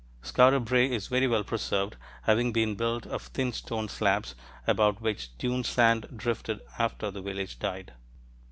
Skara Brae is very well preserved, having been built of thin stone slabs about which dune sand drifted after the village died.